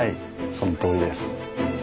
そのとおりです。